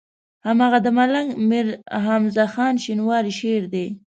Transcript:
هماغه د ملنګ مير حمزه خان شينواري شعر دی.